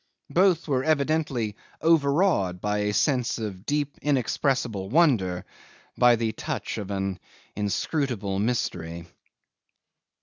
Both were evidently over awed by a sense of deep inexpressible wonder, by the touch of an inscrutable mystery.